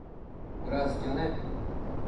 cudasquio nec